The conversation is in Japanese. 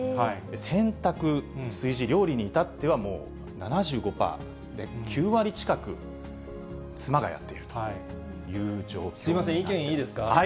洗濯、炊事、料理にいたっては、もう、７５パーで、９割近く、妻がやっすみません、意見いいですか。